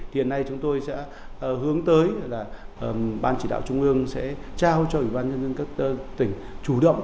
thì hiện nay chúng tôi sẽ hướng tới là ban chỉ đạo trung ương sẽ trao cho ủy ban nhân dân các tỉnh chủ động